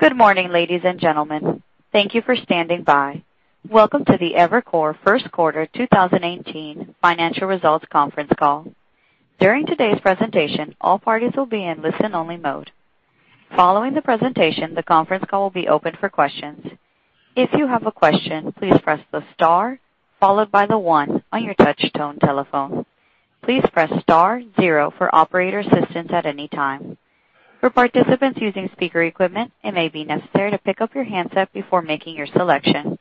Good morning, ladies and gentlemen. Thank you for standing by. Welcome to the Evercore first quarter 2018 financial results conference call. During today's presentation, all parties will be in listen-only mode. Following the presentation, the conference call will be open for questions. If you have a question, please press the star followed by the one on your touch tone telephone. Please press star zero for operator assistance at any time. For participants using speaker equipment, it may be necessary to pick up your handset before making your selection.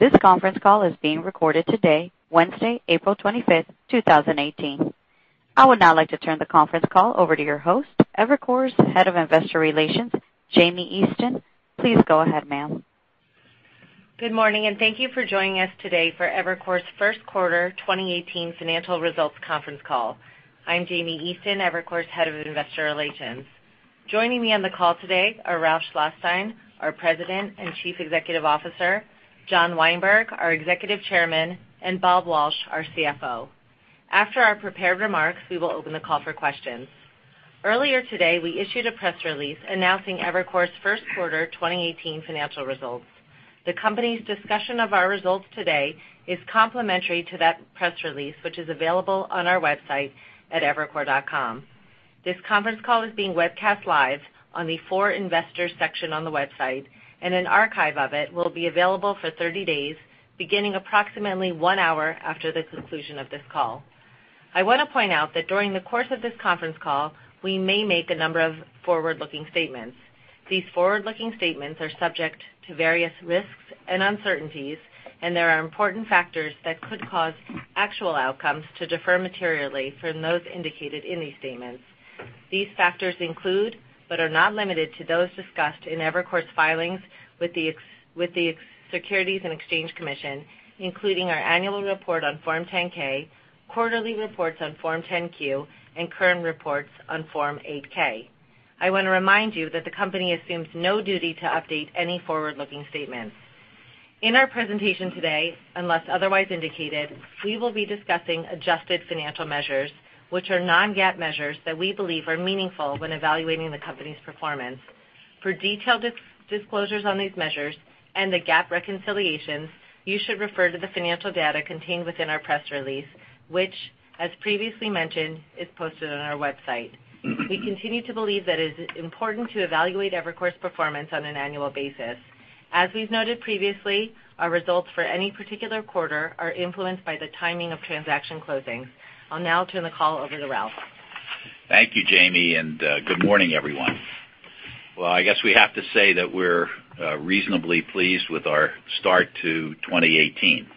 This conference call is being recorded today, Wednesday, April 25th, 2018. I would now like to turn the conference call over to your host, Evercore's Head of Investor Relations, Jamie Easton. Please go ahead, ma'am. Good morning. Thank you for joining us today for Evercore's first quarter 2018 financial results conference call. I'm Jamie Easton, Evercore's Head of Investor Relations. Joining me on the call today are Ralph Schlosstein, our President and Chief Executive Officer, John Weinberg, our Executive Chairman, and Robert Walsh, our CFO. After our prepared remarks, we will open the call for questions. Earlier today, we issued a press release announcing Evercore's first quarter 2018 financial results. The company's discussion of our results today is complementary to that press release, which is available on our website at evercore.com. This conference call is being webcast live on the For Investors section on the website, and an archive of it will be available for 30 days, beginning approximately one hour after the conclusion of this call. I want to point out that during the course of this conference call, we may make a number of forward-looking statements. These forward-looking statements are subject to various risks and uncertainties, and there are important factors that could cause actual outcomes to differ materially from those indicated in these statements. These factors include, but are not limited to, those discussed in Evercore's filings with the Securities and Exchange Commission, including our annual report on Form 10-K, quarterly reports on Form 10-Q, and current reports on Form 8-K. I want to remind you that the company assumes no duty to update any forward-looking statements. In our presentation today, unless otherwise indicated, we will be discussing adjusted financial measures, which are non-GAAP measures that we believe are meaningful when evaluating the company's performance. For detailed disclosures on these measures and the GAAP reconciliations, you should refer to the financial data contained within our press release, which, as previously mentioned, is posted on our website. We continue to believe that it is important to evaluate Evercore's performance on an annual basis. As we've noted previously, our results for any particular quarter are influenced by the timing of transaction closings. I'll now turn the call over to Ralph. Thank you, Jamie, and good morning, everyone. Well, I guess we have to say that we're reasonably pleased with our start to 2018.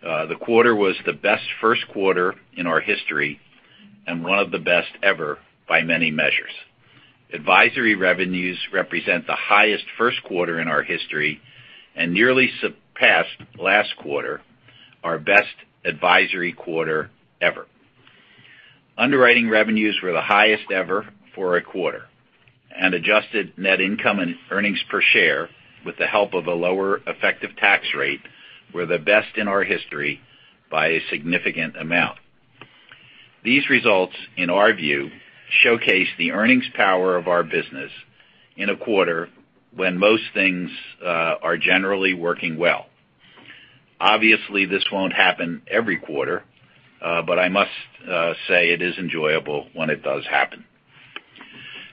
The quarter was the best first quarter in our history and one of the best ever by many measures. Advisory revenues represent the highest first quarter in our history and nearly surpassed last quarter, our best advisory quarter ever. Underwriting revenues were the highest ever for a quarter, and adjusted net income and earnings per share, with the help of a lower effective tax rate, were the best in our history by a significant amount. These results, in our view, showcase the earnings power of our business in a quarter when most things are generally working well. Obviously, this won't happen every quarter, but I must say it is enjoyable when it does happen.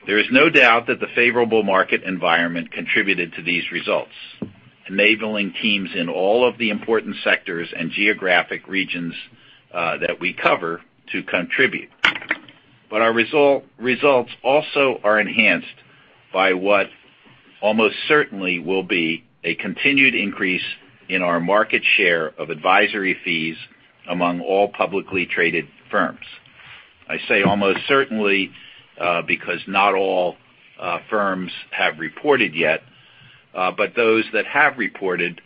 There is no doubt that the favorable market environment contributed to these results, enabling teams in all of the important sectors and geographic regions that we cover to contribute. Our results also are enhanced by what almost certainly will be a continued increase in our market share of advisory fees among all publicly traded firms. I say almost certainly because not all firms have reported yet. Those that have reported,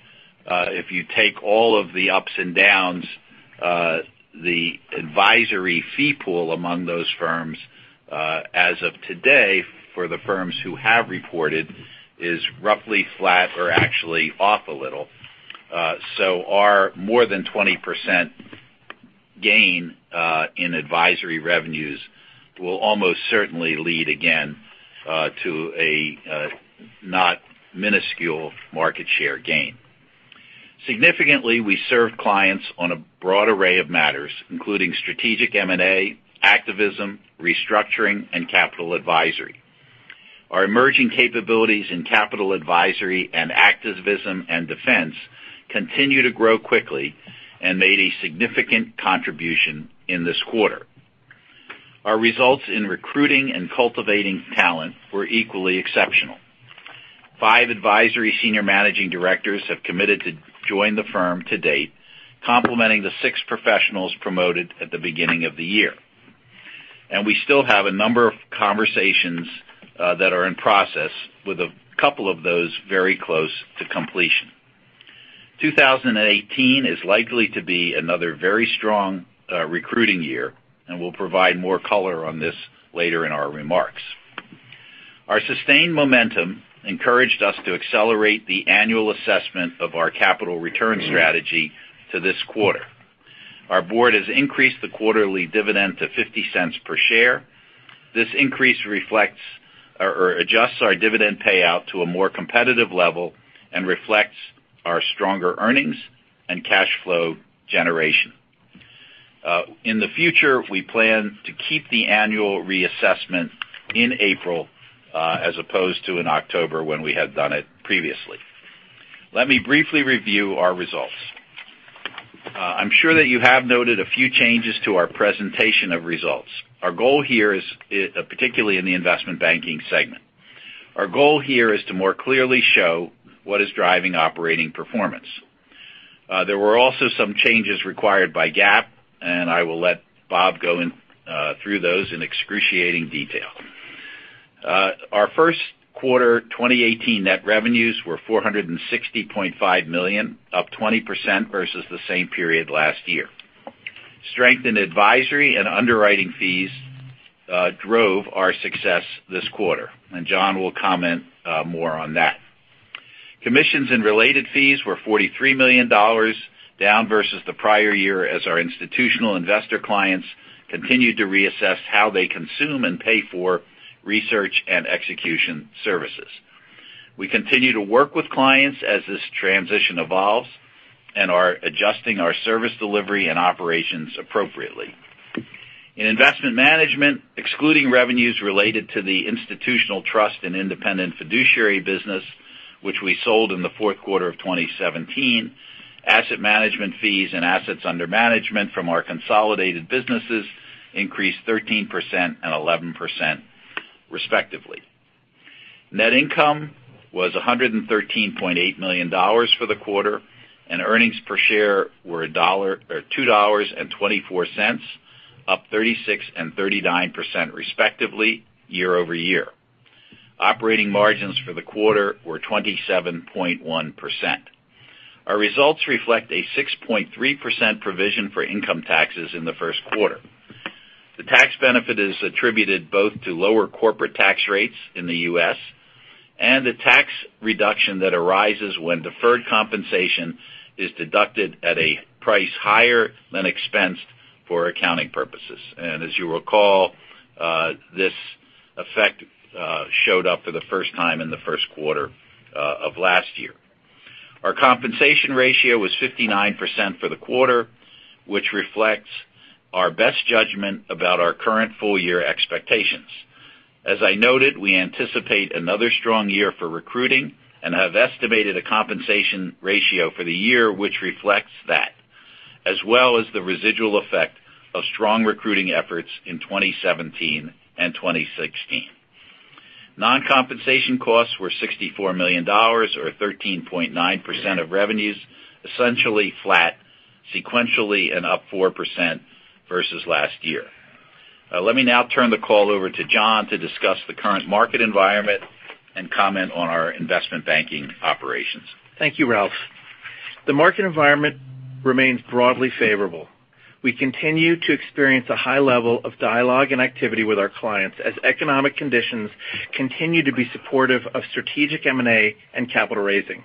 if you take all of the ups and downs, the advisory fee pool among those firms as of today for the firms who have reported is roughly flat or actually off a little. Our more than 20% gain in advisory revenues will almost certainly lead again to a not minuscule market share gain. Significantly, we serve clients on a broad array of matters, including strategic M&A, activism, restructuring, and capital advisory. Our emerging capabilities in capital advisory and activism and defense continue to grow quickly and made a significant contribution in this quarter. Our results in recruiting and cultivating talent were equally exceptional. Five advisory senior managing directors have committed to join the firm to date, complementing the six professionals promoted at the beginning of the year. We still have a number of conversations that are in process, with a couple of those very close to completion. 2018 is likely to be another very strong recruiting year, and we'll provide more color on this later in our remarks. Our sustained momentum encouraged us to accelerate the annual assessment of our capital return strategy to this quarter. Our board has increased the quarterly dividend to $0.50 per share. This increase reflects or adjusts our dividend payout to a more competitive level and reflects our stronger earnings and cash flow generation. In the future, we plan to keep the annual reassessment in April, as opposed to in October when we had done it previously. Let me briefly review our results. I'm sure that you have noted a few changes to our presentation of results, particularly in the investment banking segment. Our goal here is to more clearly show what is driving operating performance. There were also some changes required by GAAP, and I will let Bob go through those in excruciating detail. Our first quarter 2018 net revenues were $460.5 million, up 20% versus the same period last year. Strengthened advisory and underwriting fees drove our success this quarter. John will comment more on that. Commissions and related fees were $43 million, down versus the prior year as our institutional investor clients continued to reassess how they consume and pay for research and execution services. We continue to work with clients as this transition evolves and are adjusting our service delivery and operations appropriately. In investment management, excluding revenues related to the institutional trust and independent fiduciary business, which we sold in the fourth quarter of 2017, asset management fees and assets under management from our consolidated businesses increased 13% and 11% respectively. Net income was $113.8 million for the quarter, and earnings per share were $2.24, up 36% and 39% respectively year-over-year. Operating margins for the quarter were 27.1%. Our results reflect a 6.3% provision for income taxes in the first quarter. The tax benefit is attributed both to lower corporate tax rates in the U.S. and the tax reduction that arises when deferred compensation is deducted at a price higher than expensed for accounting purposes. As you recall, this effect showed up for the first time in the first quarter of last year. Our compensation ratio was 59% for the quarter, which reflects our best judgment about our current full-year expectations. As I noted, we anticipate another strong year for recruiting and have estimated a compensation ratio for the year, which reflects that, as well as the residual effect of strong recruiting efforts in 2017 and 2016. Non-compensation costs were $64 million, or 13.9% of revenues, essentially flat sequentially and up 4% versus last year. Let me now turn the call over to John to discuss the current market environment and comment on our investment banking operations. Thank you, Ralph. The market environment remains broadly favorable. We continue to experience a high level of dialogue and activity with our clients as economic conditions continue to be supportive of strategic M&A and capital raising.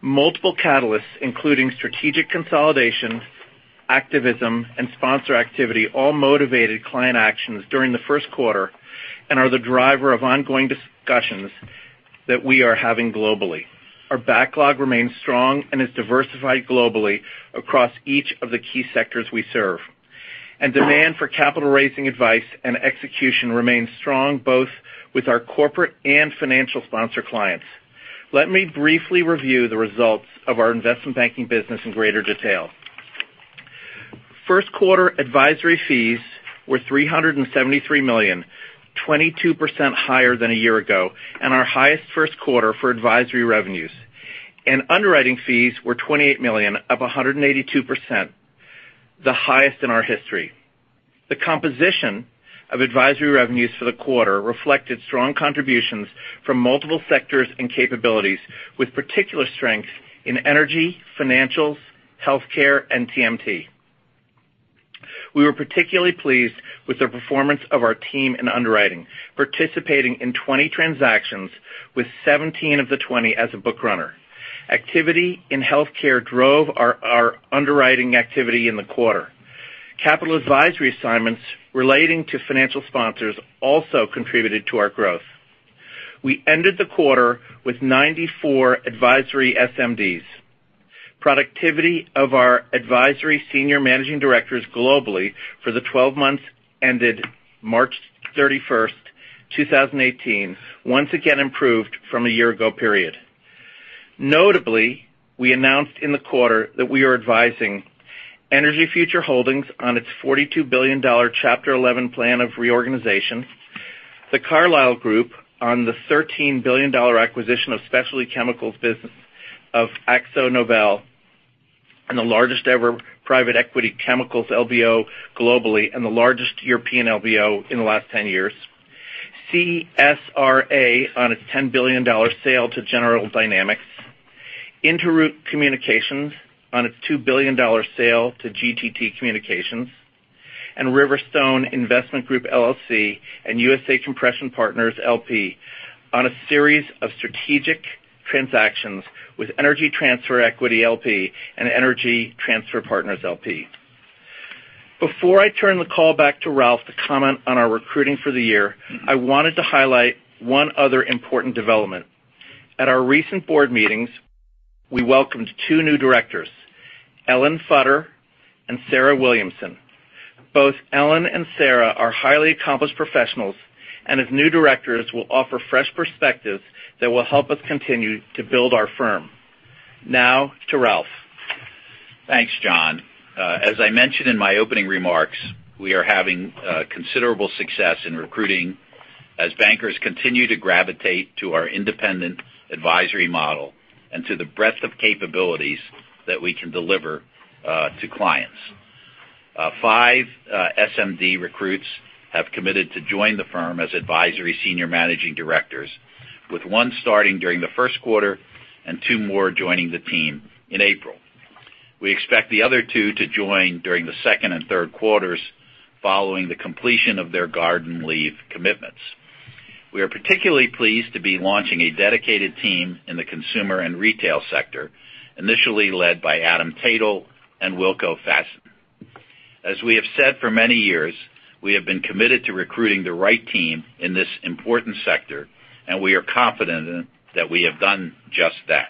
Multiple catalysts, including strategic consolidation, activism, and sponsor activity, all motivated client actions during the first quarter and are the driver of ongoing discussions that we are having globally. Demand for capital raising advice and execution remains strong both with our corporate and financial sponsor clients. Let me briefly review the results of our investment banking business in greater detail. First quarter advisory fees were $373 million, 22% higher than a year ago, and our highest first quarter for advisory revenues. Underwriting fees were $28 million, up 182%, the highest in our history. The composition of advisory revenues for the quarter reflected strong contributions from multiple sectors and capabilities, with particular strengths in energy, financials, healthcare, and TMT. We were particularly pleased with the performance of our team in underwriting, participating in 20 transactions with 17 of the 20 as a book runner. Activity in healthcare drove our underwriting activity in the quarter. Capital advisory assignments relating to financial sponsors also contributed to our growth. We ended the quarter with 94 advisory SMDs. Productivity of our advisory senior managing directors globally for the 12 months ended March 31st, 2018, once again improved from a year-ago period. Notably, we announced in the quarter that we are advising Energy Future Holdings on its $42 billion Chapter 11 plan of reorganization, The Carlyle Group on the $13 billion acquisition of specialty chemicals business of AkzoNobel, and the largest-ever private equity chemicals LBO globally and the largest European LBO in the last 10 years, CSRA on its $10 billion sale to General Dynamics, Interoute Communications on its $2 billion sale to GTT Communications, and Riverstone Investment Group LLC and USA Compression Partners, LP on a series of strategic transactions with Energy Transfer Equity, L.P. and Energy Transfer Partners, L.P.. Before I turn the call back to Ralph to comment on our recruiting for the year, I wanted to highlight one other important development. At our recent board meetings, we welcomed two new directors, Ellen Futter and Sarah Williamson. Both Ellen and Sarah are highly accomplished professionals and as new directors, will offer fresh perspectives that will help us continue to build our firm. Now to Ralph. Thanks, John. As I mentioned in my opening remarks, we are having considerable success in recruiting as bankers continue to gravitate to our independent advisory model and to the breadth of capabilities that we can deliver to clients. Five SMD recruits have committed to join the firm as advisory senior managing directors, with one starting during the first quarter and two more joining the team in April. We expect the other two to join during the second and third quarters following the completion of their garden leave commitments. We are particularly pleased to be launching a dedicated team in the consumer and retail sector, initially led by Adam Taetle and Wilco Faessen. As we have said for many years, we have been committed to recruiting the right team in this important sector, and we are confident that we have done just that.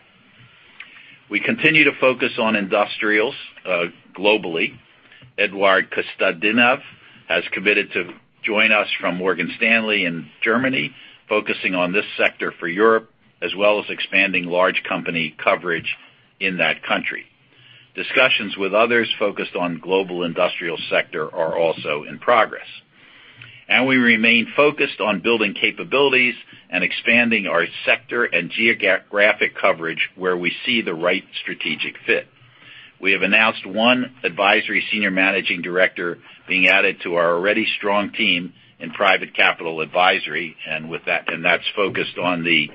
We continue to focus on industrials globally. Eduard Kostadinov has committed to join us from Morgan Stanley in Germany, focusing on this sector for Europe, as well as expanding large company coverage in that country. Discussions with others focused on global industrial sector are also in progress. We remain focused on building capabilities and expanding our sector and geographic coverage where we see the right strategic fit. We have announced one advisory senior managing director being added to our already strong team in private capital advisory, and that's focused on the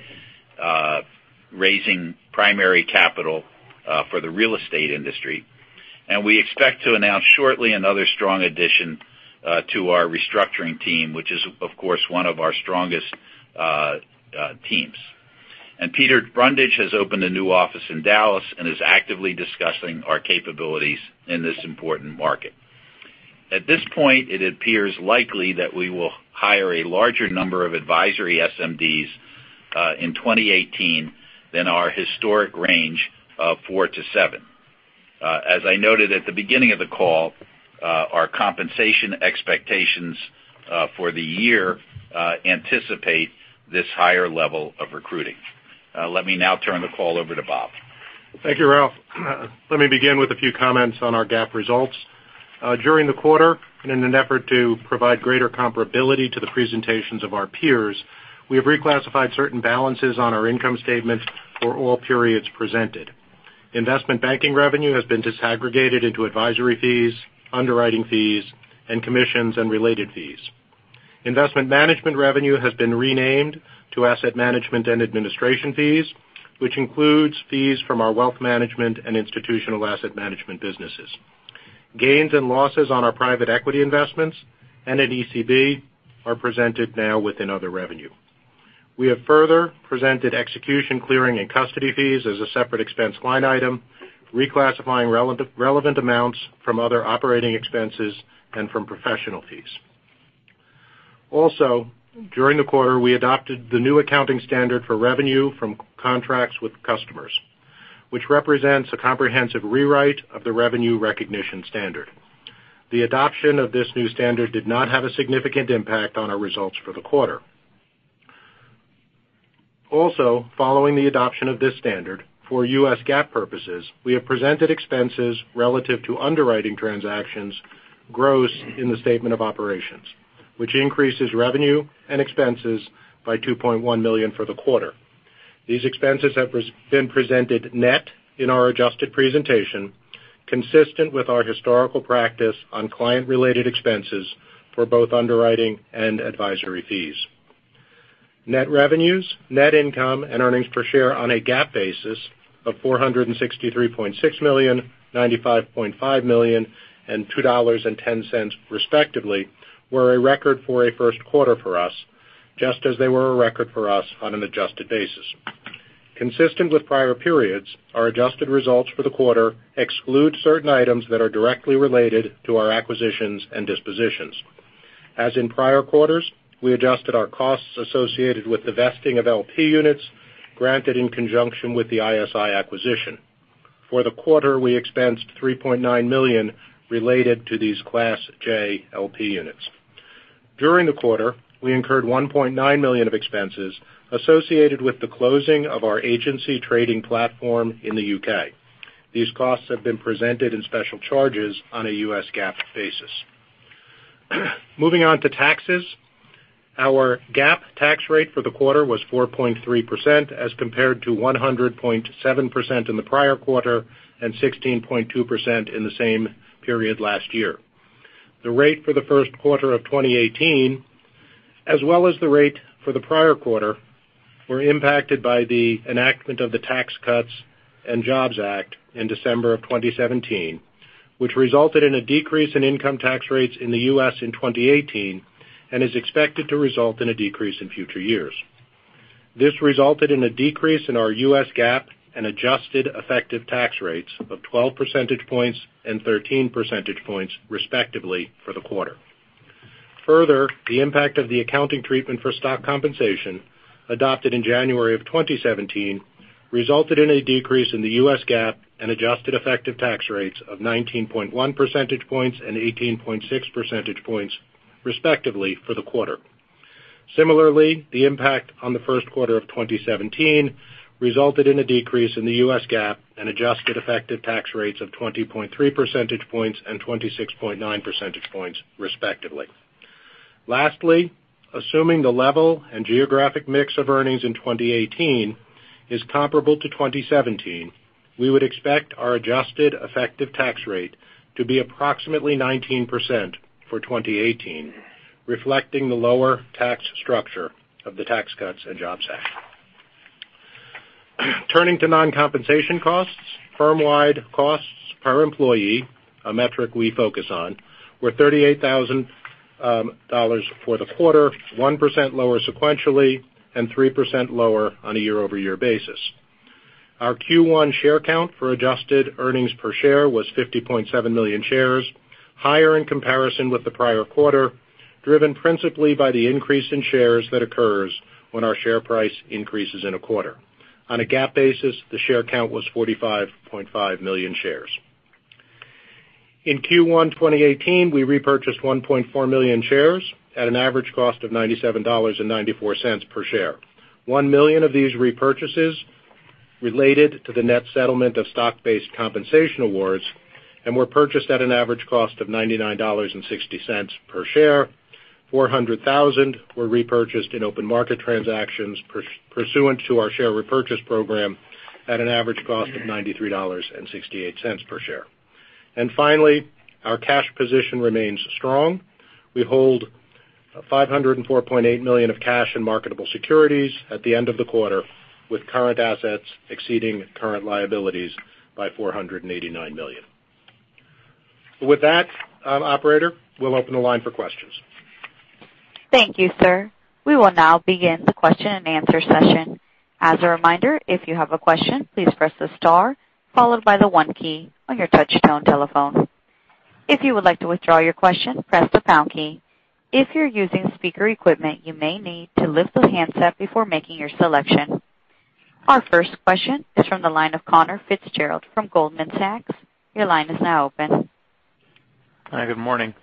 raising primary capital for the real estate industry. We expect to announce shortly another strong addition to our restructuring team, which is, of course, one of our strongest teams. Peter Brundage has opened a new office in Dallas and is actively discussing our capabilities in this important market. At this point, it appears likely that we will hire a larger number of advisory SMDs in 2018 than our historic range of four to seven. As I noted at the beginning of the call, our compensation expectations for the year anticipate this higher level of recruiting. Let me now turn the call over to Bob. Thank you, Ralph. Let me begin with a few comments on our GAAP results. During the quarter, and in an an effort to provide greater comparability to the presentations of our peers, we have reclassified certain balances on our income statement for all periods presented. Investment banking revenue has been disaggregated into advisory fees, underwriting fees, and commissions and related fees. Investment management revenue has been renamed to asset management and administration fees, which includes fees from our wealth management and institutional asset management businesses. Gains and losses on our private equity investments and at ECB are presented now within other revenue. We have further presented execution clearing and custody fees as a separate expense line item, reclassifying relevant amounts from other operating expenses and from professional fees. Also, during the quarter, we adopted the new accounting standard for revenue from contracts with customers, which represents a comprehensive rewrite of the revenue recognition standard. The adoption of this new standard did not have a significant impact on our results for the quarter. Also, following the adoption of this standard, for U.S. GAAP purposes, we have presented expenses relative to underwriting transactions gross in the statement of operations, which increases revenue and expenses by $2.1 million for the quarter. These expenses have been presented net in our adjusted presentation, consistent with our historical practice on client-related expenses for both underwriting and advisory fees. Net revenues, net income, and earnings per share on a GAAP basis of $463.6 million, $95.5 million, and $2.10 respectively, were a record for a first quarter for us, just as they were a record for us on an adjusted basis. Consistent with prior periods, our adjusted results for the quarter exclude certain items that are directly related to our acquisitions and dispositions. As in prior quarters, we adjusted our costs associated with the vesting of LP units granted in conjunction with the ISI acquisition. For the quarter, we expensed $3.9 million related to these Class J LP units. During the quarter, we incurred $1.9 million of expenses associated with the closing of our agency trading platform in the U.K. These costs have been presented in special charges on a U.S. GAAP basis. Moving on to taxes. Our GAAP tax rate for the quarter was 4.3% as compared to 100.7% in the prior quarter and 16.2% in the same period last year. The rate for the first quarter of 2018. As well as the rate for the prior quarter were impacted by the enactment of the Tax Cuts and Jobs Act in December of 2017, which resulted in a decrease in income tax rates in the U.S. in 2018 and is expected to result in a decrease in future years. This resulted in a decrease in our U.S. GAAP and adjusted effective tax rates of 12 percentage points and 13 percentage points, respectively, for the quarter. Further, the impact of the accounting treatment for stock compensation adopted in January of 2017 resulted in a decrease in the U.S. GAAP and adjusted effective tax rates of 19.1 percentage points and 18.6 percentage points, respectively, for the quarter. Similarly, the impact on the first quarter of 2017 resulted in a decrease in the U.S. GAAP and adjusted effective tax rates of 20.3 percentage points and 26.9 percentage points, respectively. Lastly, assuming the level and geographic mix of earnings in 2018 is comparable to 2017, we would expect our adjusted effective tax rate to be approximately 19% for 2018, reflecting the lower tax structure of the Tax Cuts and Jobs Act. Turning to non-compensation costs, firm-wide costs per employee, a metric we focus on, were $38,000 for the quarter, 1% lower sequentially and 3% lower on a year-over-year basis. Our Q1 share count for adjusted earnings per share was 50.7 million shares, higher in comparison with the prior quarter, driven principally by the increase in shares that occurs when our share price increases in a quarter. On a GAAP basis, the share count was 45.5 million shares. In Q1 2018, we repurchased 1.4 million shares at an average cost of $97.94 per share. 1 million of these repurchases related to the net settlement of stock-based compensation awards and were purchased at an average cost of $99.60 per share. 400,000 were repurchased in open market transactions pursuant to our share repurchase program at an average cost of $93.68 per share. Finally, our cash position remains strong. We hold $504.8 million of cash in marketable securities at the end of the quarter, with current assets exceeding current liabilities by $489 million. With that, operator, we'll open the line for questions. Thank you, sir. We will now begin the question and answer session. As a reminder, if you have a question, please press the star followed by the 1 key on your touchtone telephone. If you would like to withdraw your question, press the pound key. If you're using speaker equipment, you may need to lift the handset before making your selection. Our first question is from the line of Conor Fitzgerald from Goldman Sachs. Your line is now open. Hi, good morning.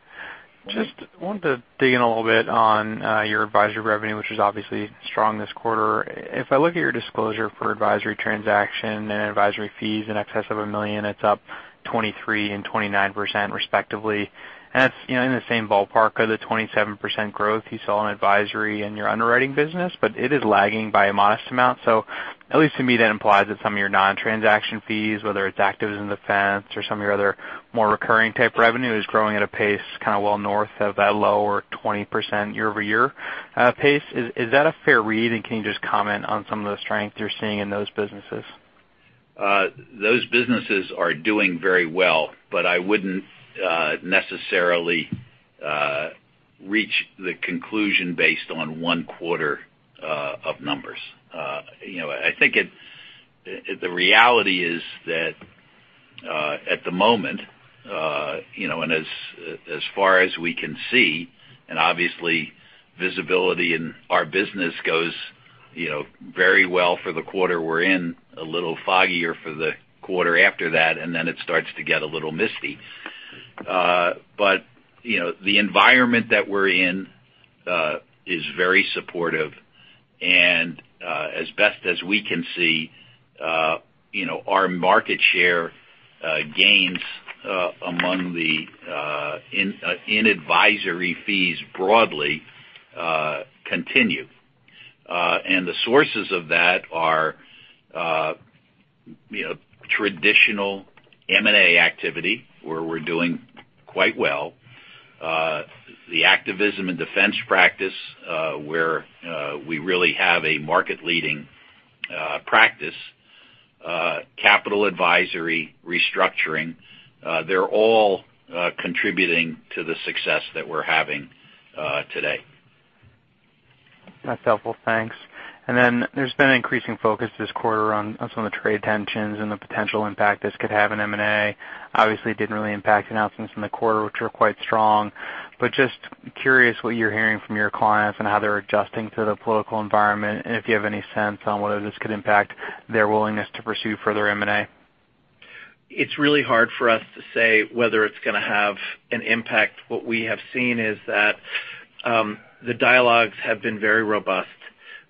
Just wanted to dig in a little bit on your advisory revenue, which was obviously strong this quarter. If I look at your disclosure for advisory transaction and advisory fees in excess of $1 million, it's up 23% and 29%, respectively. That's in the same ballpark of the 27% growth you saw in advisory in your underwriting business, but it is lagging by a modest amount. At least to me, that implies that some of your non-transaction fees, whether it's activism defense or some of your other more recurring type revenue, is growing at a pace well north of that lower 20% year-over-year pace. Is that a fair read? Can you just comment on some of the strength you're seeing in those businesses? Those businesses are doing very well, I wouldn't necessarily reach the conclusion based on one quarter of numbers. I think the reality is that at the moment, as far as we can see, obviously visibility in our business goes very well for the quarter we're in, a little foggier for the quarter after that, then it starts to get a little misty. The environment that we're in is very supportive. As best as we can see, our market share gains among the in-advisory fees broadly continue. The sources of that are traditional M&A activity, where we're doing quite well. The activism and defense practice, where we really have a market-leading practice. Capital advisory restructuring. They're all contributing to the success that we're having today. That's helpful. Thanks. Then there's been an increasing focus this quarter on some of the trade tensions and the potential impact this could have in M&A. Obviously, it didn't really impact the announcements in the quarter, which were quite strong. Just curious what you're hearing from your clients and how they're adjusting to the political environment, and if you have any sense on whether this could impact their willingness to pursue further M&A. It's really hard for us to say whether it's going to have an impact. What we have seen is that the dialogues have been very robust.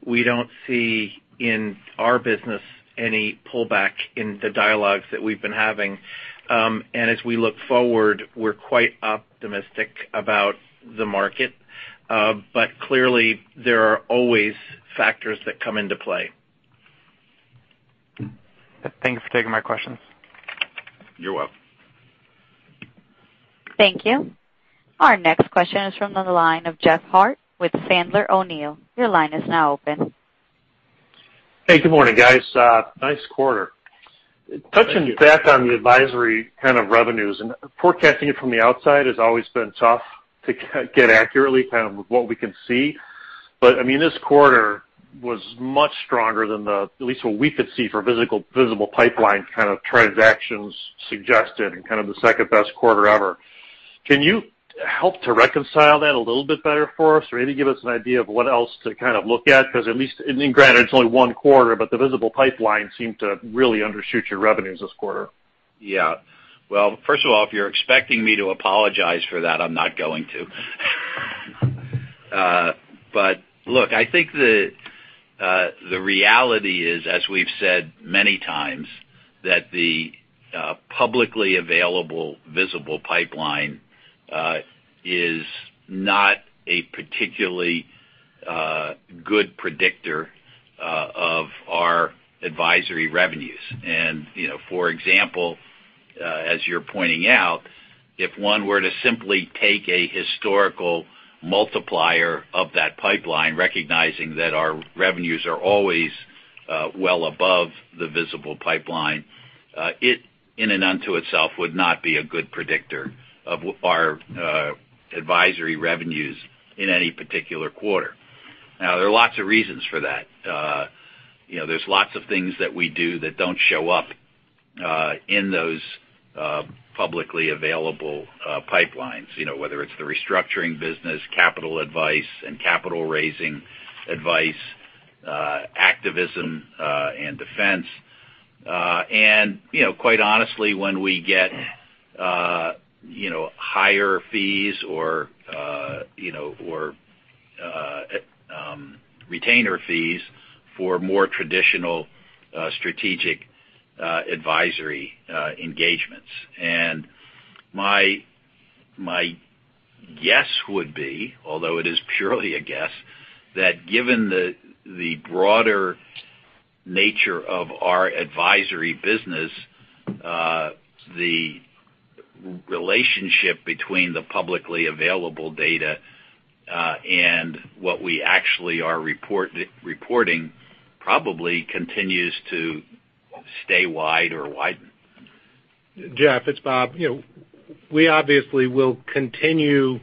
We don't see in our business any pullback in the dialogues that we've been having. As we look forward, we're quite optimistic about the market. Clearly, there are always factors that come into play. Thanks for taking my questions. You're welcome. Thank you. Our next question is from the line of Jeffery Harte with Sandler O'Neill. Your line is now open. Hey, good morning, guys. Nice quarter. Thank you. Touching back on the advisory kind of revenues, forecasting it from the outside has always been tough to get accurately kind of what we can see. This quarter was much stronger than the, at least what we could see for visible pipeline kind of transactions suggested, and kind of the second-best quarter ever. Can you help to reconcile that a little bit better for us or maybe give us an idea of what else to kind of look at? Because at least, granted it's only one quarter, but the visible pipeline seemed to really undershoot your revenues this quarter. Yeah. Well, first of all, if you're expecting me to apologize for that, I'm not going to. Look, I think the reality is, as we've said many times, that the publicly available visible pipeline is not a particularly good predictor of our advisory revenues. For example, as you're pointing out, if one were to simply take a historical multiplier of that pipeline, recognizing that our revenues are always well above the visible pipeline, it, in and unto itself, would not be a good predictor of our advisory revenues in any particular quarter. There are lots of reasons for that. There's lots of things that we do that don't show up in those publicly available pipelines, whether it's the restructuring business, capital advice and capital raising advice, activism, and defense. Quite honestly, when we get higher fees or retainer fees for more traditional strategic advisory engagements. My guess would be, although it is purely a guess, that given the broader nature of our advisory business, the relationship between the publicly available data, and what we actually are reporting probably continues to stay wide or widen. Jeff, it's Bob. We obviously will continue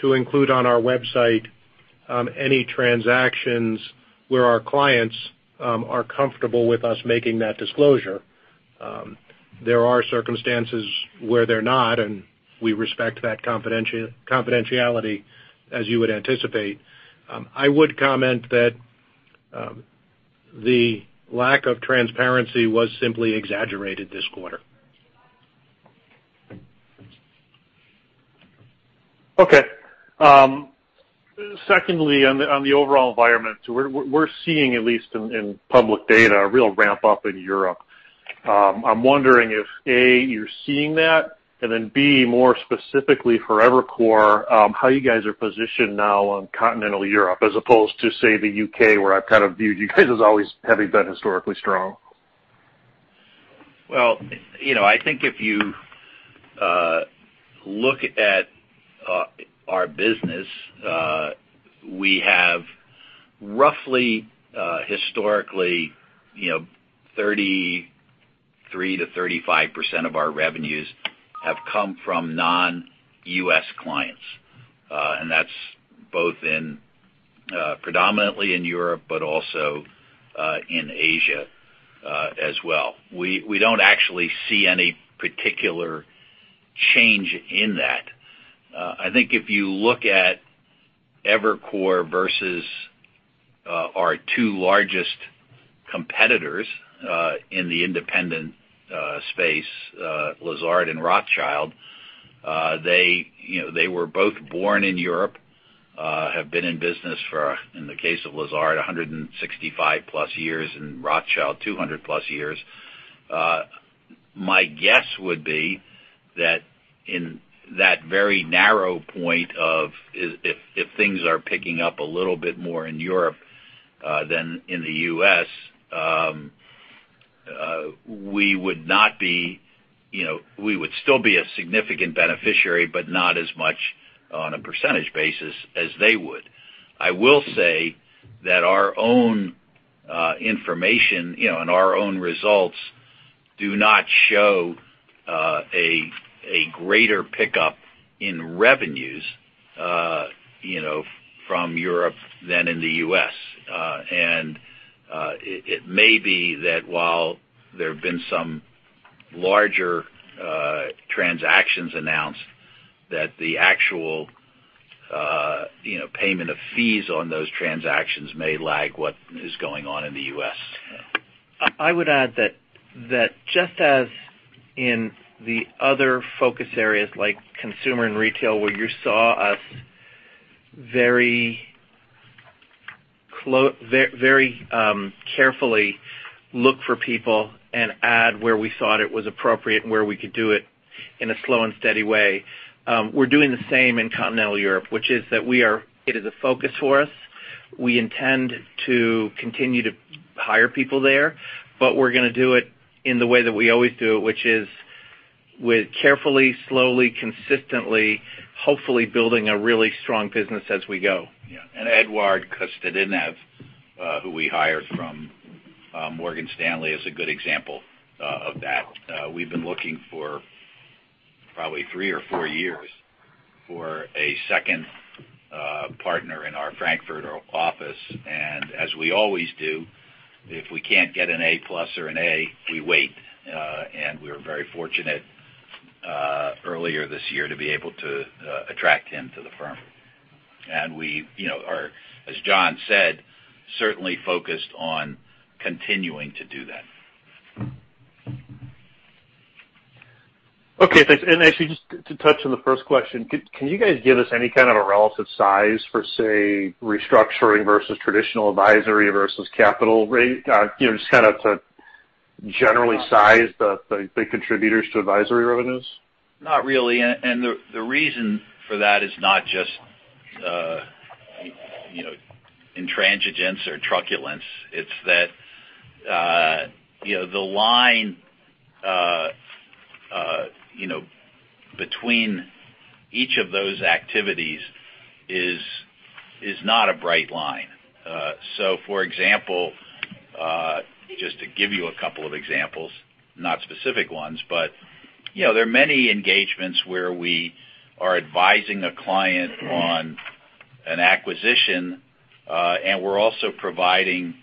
to include on our website any transactions where our clients are comfortable with us making that disclosure. There are circumstances where they're not, and we respect that confidentiality, as you would anticipate. I would comment that the lack of transparency was simply exaggerated this quarter. Okay. Secondly, on the overall environment, we're seeing, at least in public data, a real ramp-up in Europe. I'm wondering if, A, you're seeing that, then B, more specifically for Evercore, how you guys are positioned now on continental Europe as opposed to, say, the U.K., where I've kind of viewed you guys as always having been historically strong. Well, I think if you look at our business, we have roughly historically 33%-35% of our revenues have come from non-U.S. clients. That's both predominantly in Europe, but also in Asia as well. We don't actually see any particular change in that. I think if you look at Evercore versus our two largest competitors in the independent space, Lazard and Rothschild, they were both born in Europe, have been in business for, in the case of Lazard, 165-plus years, and Rothschild, 200-plus years. My guess would be that in that very narrow point of if things are picking up a little bit more in Europe than in the U.S., we would still be a significant beneficiary, but not as much on a percentage basis as they would. I will say that our own information and our own results do not show a greater pickup in revenues from Europe than in the U.S. It may be that while there have been some larger transactions announced, that the actual payment of fees on those transactions may lag what is going on in the U.S. I would add that just as in the other focus areas like consumer and retail, where you saw us very carefully look for people and add where we thought it was appropriate and where we could do it in a slow and steady way. We're doing the same in Continental Europe, which is that it is a focus for us. We intend to continue to hire people there, we're going to do it in the way that we always do it, which is with carefully, slowly, consistently, hopefully building a really strong business as we go. Eduard Kostadinov, who we hired from Morgan Stanley, is a good example of that. We've been looking for probably three or four years for a second partner in our Frankfurt office. As we always do, if we can't get an A-plus or an A, we wait. We were very fortunate earlier this year to be able to attract him to the firm. We are, as John said, certainly focused on continuing to do that. Okay, thanks. Actually, just to touch on the first question, can you guys give us any kind of a relative size for, say, restructuring versus traditional advisory versus capital raise? Just kind of to generally size the big contributors to advisory revenues. Not really. The reason for that is not just intransigence or truculence. It's that the line between each of those activities is not a bright line. For example, just to give you a couple of examples, not specific ones, but there are many engagements where we are advising a client on an acquisition, and we're also providing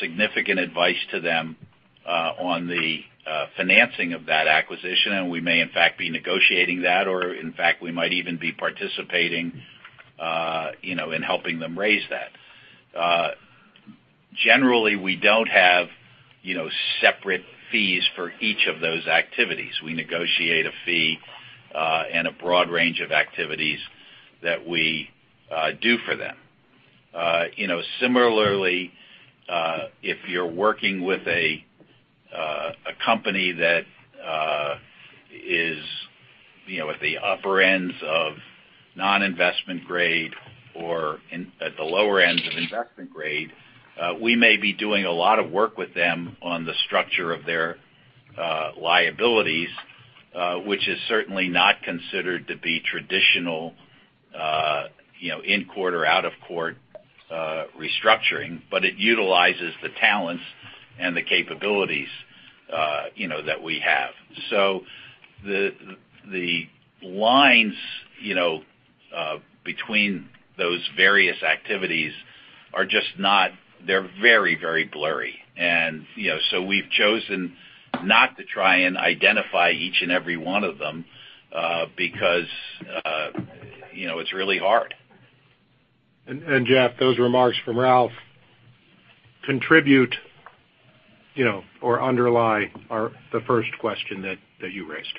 significant advice to them on the financing of that acquisition, and we may, in fact, be negotiating that, or, in fact, we might even be participating in helping them raise that. Generally, we don't have separate fees for each of those activities. We negotiate a fee and a broad range of activities that we do for them. Similarly, if you're working with a company that is at the upper ends of non-investment grade or at the lower ends of investment grade, we may be doing a lot of work with them on the structure of their liabilities, which is certainly not considered to be traditional in court or out of court restructuring. It utilizes the talents and the capabilities that we have. The lines between those various activities are just not. They're very, very blurry. We've chosen not to try and identify each and every one of them, because it's really hard. Jeff, those remarks from Ralph contribute or underlie the first question that you raised.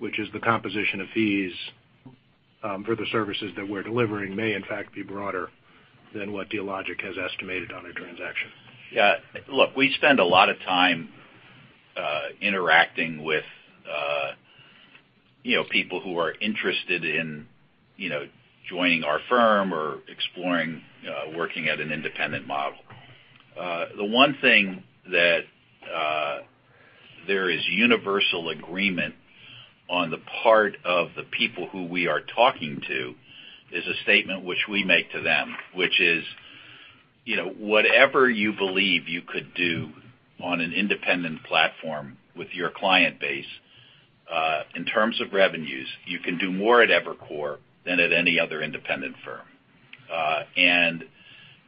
The composition of fees for the services that we're delivering may, in fact, be broader than what Dealogic has estimated on a transaction. Look, we spend a lot of time interacting with people who are interested in joining our firm or exploring working at an independent model. The one thing that there is universal agreement on the part of the people who we are talking to is a statement which we make to them, which is, "Whatever you believe you could do on an independent platform with your client base, in terms of revenues, you can do more at Evercore than at any other independent firm."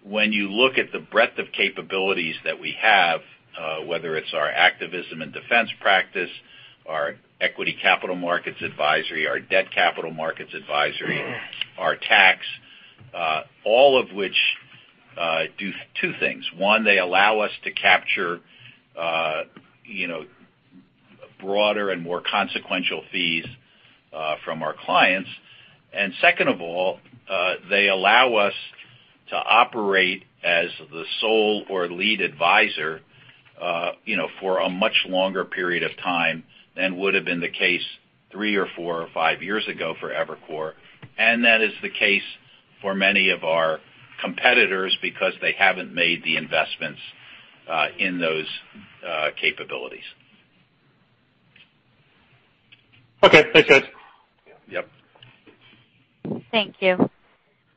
When you look at the breadth of capabilities that we have, whether it's our activism and defense practice, our equity capital markets advisory, our debt capital markets advisory, our tax. All of which do two things. One, they allow us to capture broader and more consequential fees from our clients. Second of all, they allow us to operate as the sole or lead advisor for a much longer period of time than would've been the case three or four or five years ago for Evercore. That is the case for many of our competitors because they haven't made the investments in those capabilities. Okay, thanks, guys. Yep. Thank you.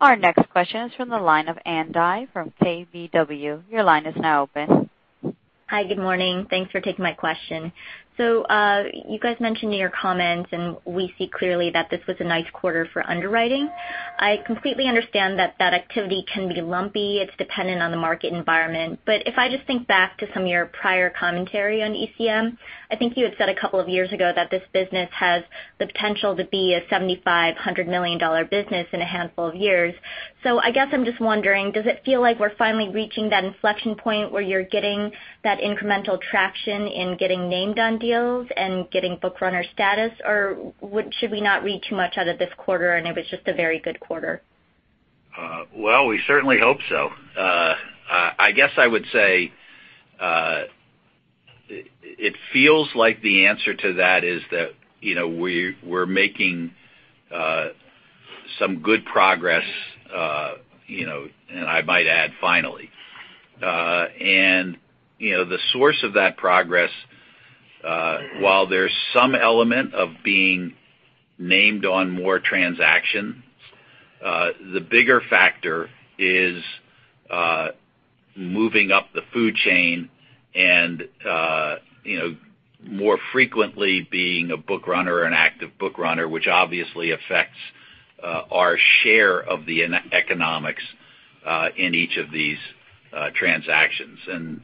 Our next question is from the line of Ann Dai from KBW. Your line is now open. Hi, good morning. Thanks for taking my question. You guys mentioned in your comments, and we see clearly that this was a nice quarter for underwriting. I completely understand that that activity can be lumpy. It's dependent on the market environment. If I just think back to some of your prior commentary on ECM, I think you had said a couple of years ago that this business has the potential to be a $7,500 million business in a handful of years. I guess I'm just wondering, does it feel like we're finally reaching that inflection point where you're getting that incremental traction in getting named on deals and getting book runner status? Should we not read too much out of this quarter, and it was just a very good quarter? Well, we certainly hope so. I guess I would say it feels like the answer to that is that we're making some good progress, and I might add, finally. The source of that progress, while there's some element of being named on more transactions, the bigger factor is moving up the food chain and more frequently being a book runner, an active book runner, which obviously affects our share of the economics in each of these transactions.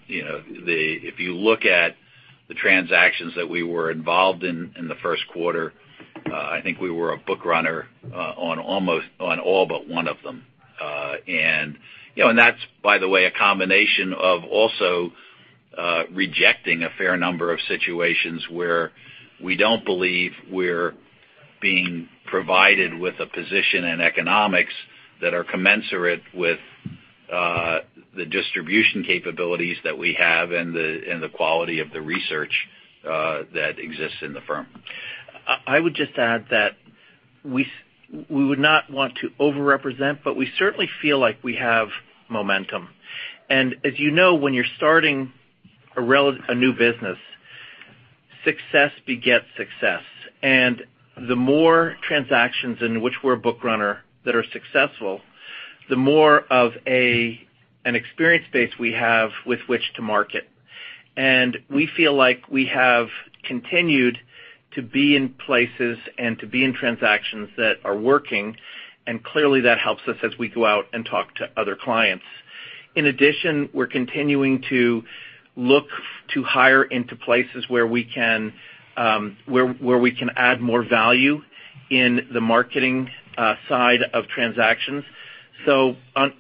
If you look at the transactions that we were involved in in the first quarter, I think we were a book runner on almost, on all but one of them. That's, by the way, a combination of also rejecting a fair number of situations where we don't believe we're being provided with a position in economics that are commensurate with the distribution capabilities that we have and the quality of the research that exists in the firm. I would just add that we would not want to over-represent, but we certainly feel like we have momentum. As you know, when you're starting a new business, success begets success. The more transactions in which we're a book runner that are successful, the more of an experience base we have with which to market. We feel like we have continued to be in places and to be in transactions that are working, and clearly that helps us as we go out and talk to other clients. In addition, we're continuing to look to hire into places where we can add more value in the marketing side of transactions.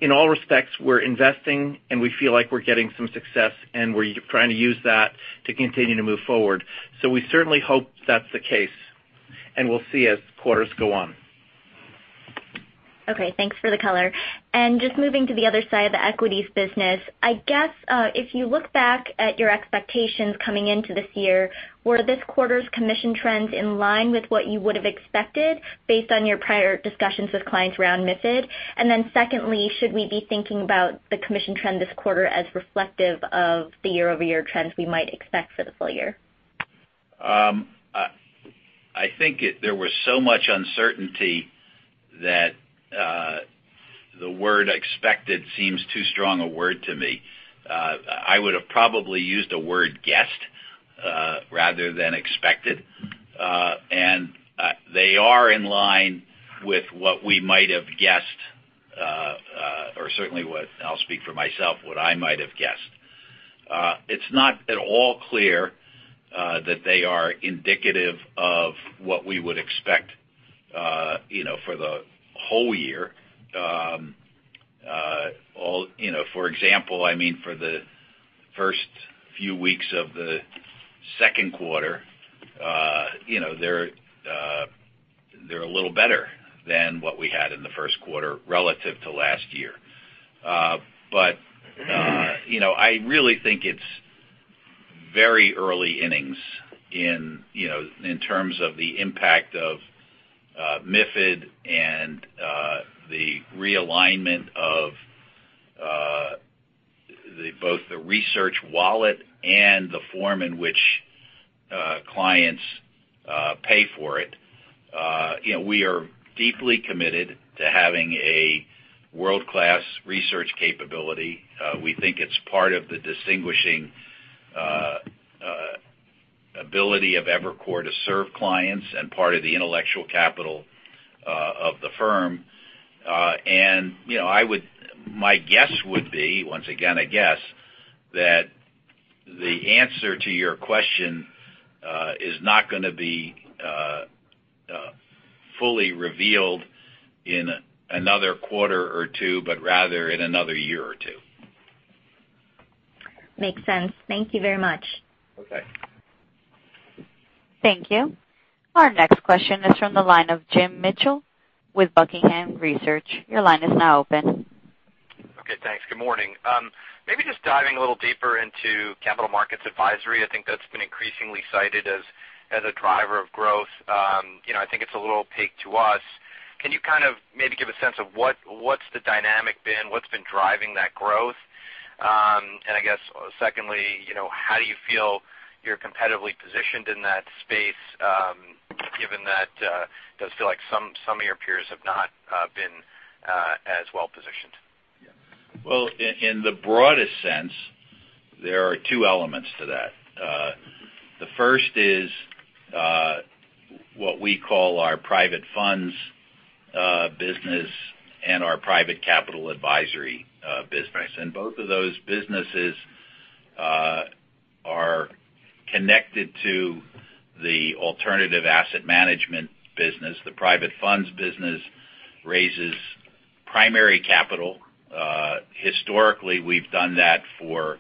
In all respects, we're investing, and we feel like we're getting some success, and we're trying to use that to continue to move forward. We certainly hope that's the case, and we'll see as quarters go on. Okay, thanks for the color. Just moving to the other side of the equities business. I guess, if you look back at your expectations coming into this year, were this quarter's commission trends in line with what you would have expected based on your prior discussions with clients around MiFID? Secondly, should we be thinking about the commission trend this quarter as reflective of the year-over-year trends we might expect for the full year? I think there was so much uncertainty that the word expected seems too strong a word to me. I would've probably used the word guessed rather than expected. They are in line with what we might have guessed or certainly what, I'll speak for myself, what I might have guessed. It's not at all clear that they are indicative of what we would expect for the whole year. For example, for the first few weeks of the second quarter, they're a little better than what we had in the first quarter relative to last year. I really think it's very early innings in terms of the impact of MiFID and the realignment of both the research wallet and the form in which clients pay for it. We are deeply committed to having a world-class research capability. We think it's part of the distinguishing ability of Evercore to serve clients and part of the intellectual capital of the firm. My guess would be, once again, a guess, that the answer to your question is not going to be fully revealed in another quarter or two, but rather in another year or two. Makes sense. Thank you very much. Okay. Thank you. Our next question is from the line of Jim Mitchell with Buckingham Research. Your line is now open. Okay, thanks. Good morning. Maybe just diving a little deeper into Capital Markets Advisory. I think that's been increasingly cited as a driver of growth. I think it's a little opaque to us. Can you kind of maybe give a sense of what's the dynamic been? What's been driving that growth? I guess secondly, how do you feel you're competitively positioned in that space given that it does feel like some of your peers have not been as well-positioned? Well, in the broadest sense, there are two elements to that. The first is what we call our private funds business and our private capital advisory business. Both of those businesses are connected to the alternative asset management business. The private funds business raises primary capital. Historically, we've done that for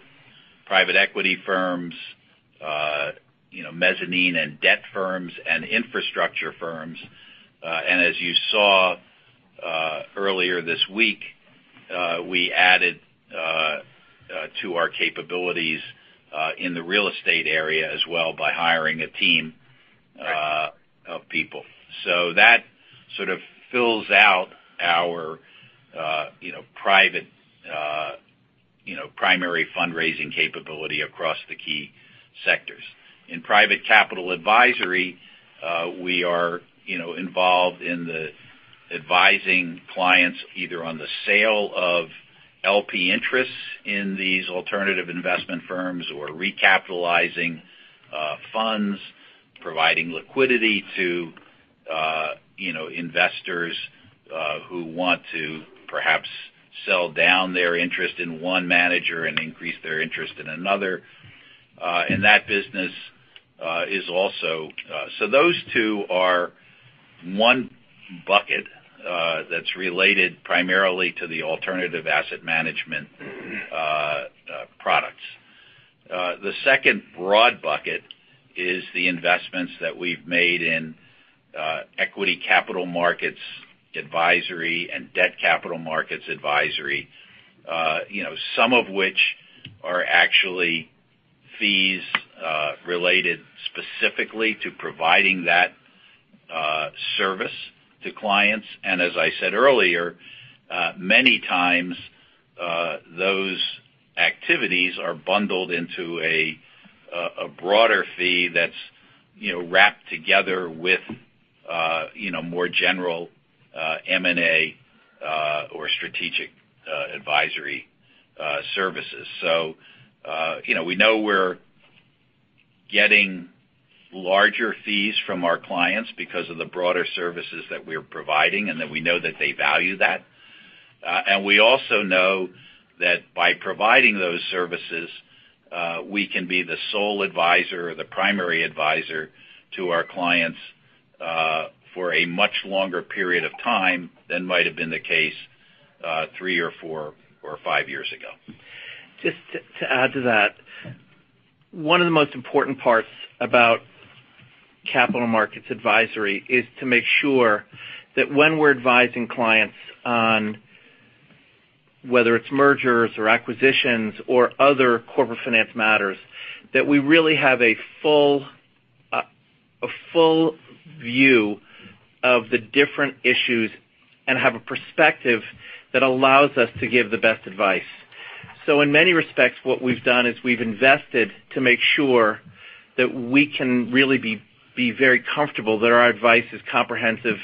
private equity firms, mezzanine and debt firms, and infrastructure firms. As you saw earlier this week, we added to our capabilities in the real estate area as well by hiring a team of people. That sort of fills out our primary fundraising capability across the key sectors. In private capital advisory, we are involved in the advising clients either on the sale of LP interests in these alternative investment firms or recapitalizing funds, providing liquidity to investors who want to perhaps sell down their interest in one manager and increase their interest in another. Those two are one bucket that's related primarily to the alternative asset management products. The second broad bucket is the investments that we've made in equity capital markets advisory and debt capital markets advisory, some of which are actually fees related specifically to providing that service to clients. As I said earlier, many times those activities are bundled into a broader fee that's wrapped together with more general M&A or strategic advisory services. We know we're getting larger fees from our clients because of the broader services that we're providing, and that we know that they value that. We also know that by providing those services, we can be the sole advisor or the primary advisor to our clients for a much longer period of time than might have been the case three or four or five years ago. Just to add to that, one of the most important parts about capital markets advisory is to make sure that when we're advising clients on whether it's mergers or acquisitions or other corporate finance matters, that we really have a full view of the different issues and have a perspective that allows us to give the best advice. In many respects, what we've done is we've invested to make sure that we can really be very comfortable that our advice is comprehensive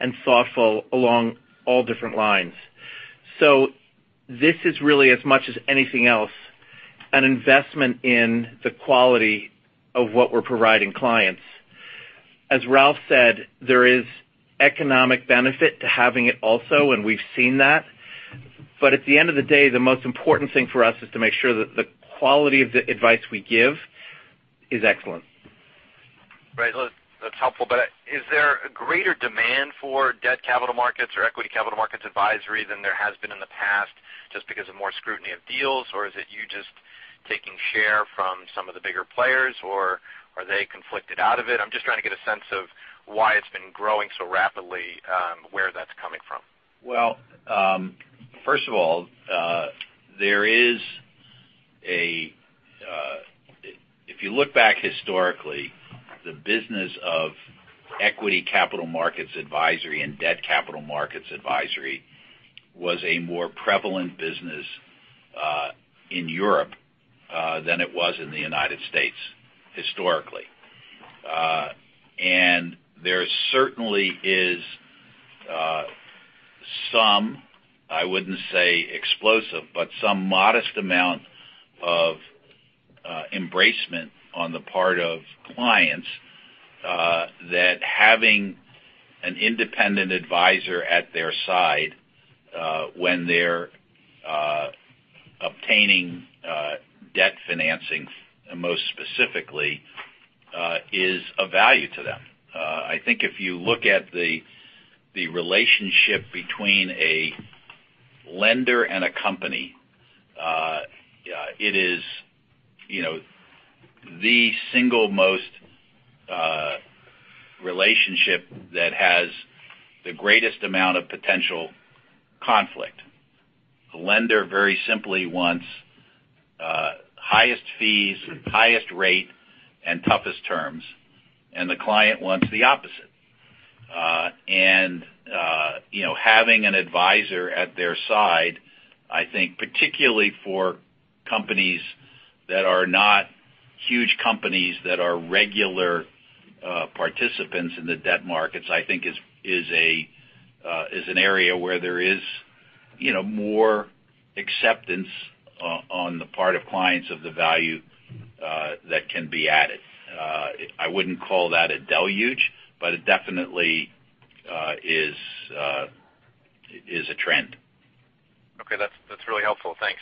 and thoughtful along all different lines. This is really, as much as anything else, an investment in the quality of what we're providing clients. As Ralph said, there is economic benefit to having it also, and we've seen that. At the end of the day, the most important thing for us is to make sure that the quality of the advice we give is excellent. Right. That's helpful. Is there a greater demand for debt capital markets or equity capital markets advisory than there has been in the past, just because of more scrutiny of deals? Or is it you just taking share from some of the bigger players, or are they conflicted out of it? I'm just trying to get a sense of why it's been growing so rapidly, where that's coming from. First of all, if you look back historically, the business of equity capital markets advisory and debt capital markets advisory was a more prevalent business in Europe than it was in the U.S. historically. There certainly is some, I wouldn't say explosive, but some modest amount of embracement on the part of clients that having an independent advisor at their side when they're obtaining debt financing, most specifically is of value to them. I think if you look at the relationship between a lender and a company, it is the single most relationship that has the greatest amount of potential conflict. The lender very simply wants highest fees, highest rate, and toughest terms, and the client wants the opposite. Having an advisor at their side, I think particularly for companies that are not huge companies that are regular participants in the debt markets, I think is an area where there is more acceptance on the part of clients of the value that can be added. I wouldn't call that a deluge, but it definitely is a trend. Okay. That's really helpful. Thanks.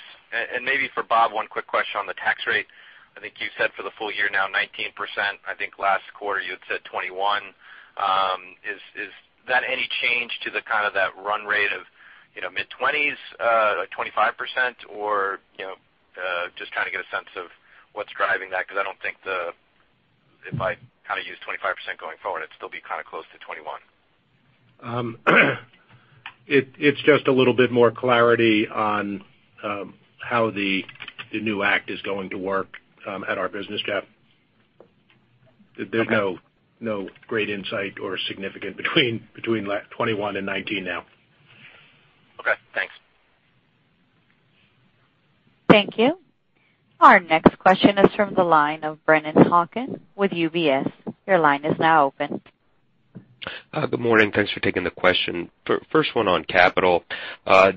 Maybe for Bob, one quick question on the tax rate. I think you said for the full year now, 19%. I think last quarter you had said 21. Is that any change to the kind of that run rate of mid-20s, like 25%? Just trying to get a sense of what's driving that, because I don't think if I use 25% going forward, it'd still be close to 21. It's just a little bit more clarity on how the new act is going to work at our business, Jeff. Okay. There's no great insight or significant between 21 and 19 now. Okay, thanks. Thank you. Our next question is from the line of Brennan Hawken with UBS. Your line is now open. Good morning. Thanks for taking the question. First one on capital.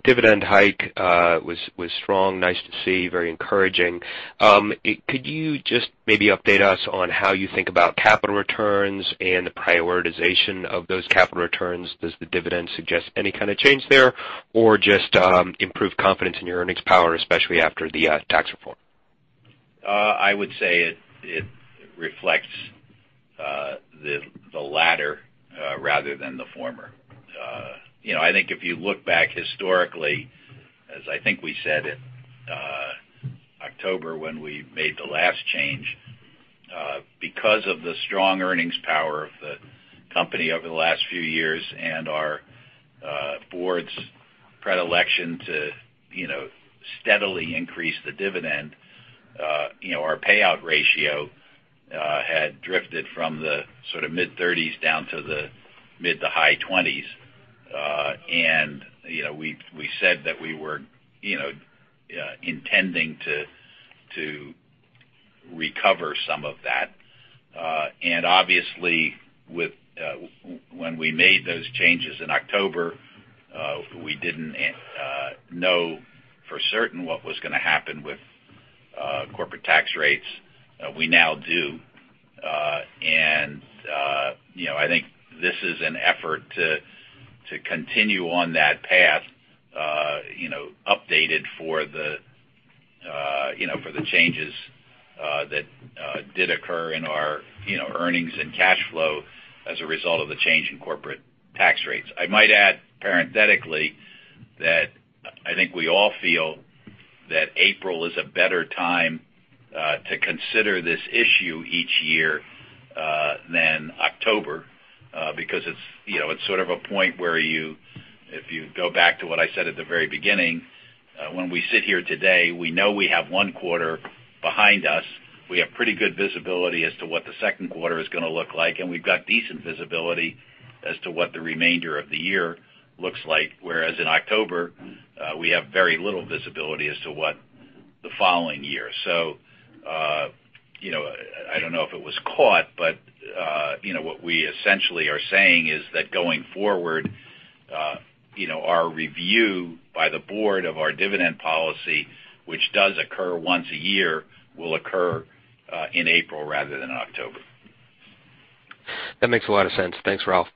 Dividend hike was strong. Nice to see, very encouraging. Could you just maybe update us on how you think about capital returns and the prioritization of those capital returns? Does the dividend suggest any kind of change there or just improved confidence in your earnings power, especially after the tax reform? I would say it reflects the latter rather than the former. I think if you look back historically, as I think we said in October when we made the last change, because of the strong earnings power of the company over the last few years and our board's predilection to steadily increase the dividend, our payout ratio had drifted from the mid-30s down to the mid to high 20s. We said that we were intending to recover some of that. Obviously when we made those changes in October, we didn't know for certain what was going to happen with corporate tax rates. We now do. I think this is an effort to continue on that path, updated for the changes that did occur in our earnings and cash flow as a result of the change in corporate tax rates. I might add parenthetically that I think we all feel that April is a better time to consider this issue each year than October because it's sort of a point where you, if you go back to what I said at the very beginning, when we sit here today, we know we have one quarter behind us. We have pretty good visibility as to what the second quarter is going to look like, and we've got decent visibility as to what the remainder of the year looks like. Whereas in October, we have very little visibility as to what the following year. I don't know if it was caught, but what we essentially are saying is that going forward our review by the board of our dividend policy, which does occur once a year, will occur in April rather than October. That makes a lot of sense. Thanks, Ralph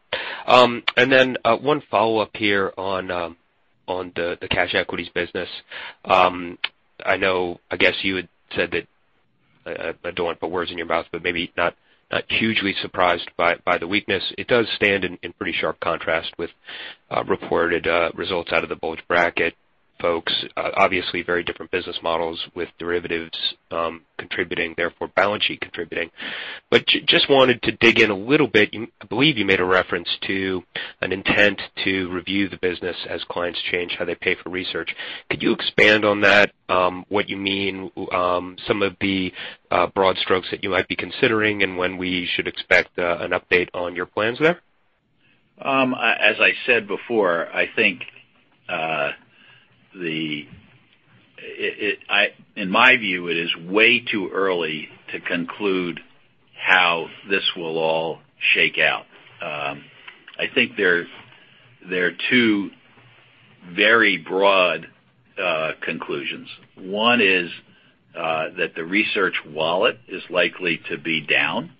Schlosstein. One follow-up here on the cash equities business. I know, I guess you had said that, I don't want to put words in your mouth, but maybe not hugely surprised by the weakness. It does stand in pretty sharp contrast with reported results out of the bulge bracket folks. Obviously very different business models with derivatives contributing, therefore balance sheet contributing. Just wanted to dig in a little bit. I believe you made a reference to an intent to review the business as clients change how they pay for research. Could you expand on that? What you mean, some of the broad strokes that you might be considering, and when we should expect an update on your plans there? As I said before, I think in my view, it is way too early to conclude how this will all shake out. I think there are two very broad conclusions. One is that the research wallet is likely to be down